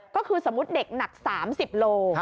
ก็คือสมมุติเด็กหนัก๓๐โล